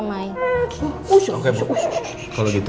jadi kita harus bisa turut berlo piti